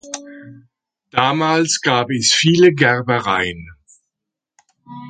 Damals gab es viele Gerbereien.